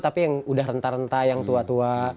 tapi yang udah rentah rentah yang tua tua